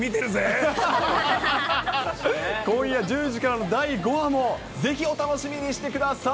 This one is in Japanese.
今夜１０時からの第５話もぜひお楽しみにしてください。